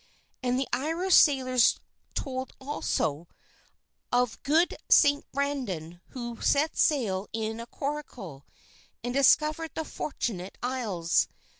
And the Irish sailors told, also, of good St. Brandan who set sail in a coracle, and discovered the Fortunate Isles.